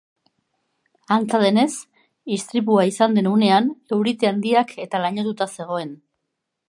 Antza denez, istripua izan den unean eurite handiak eta lainotuta zegoen.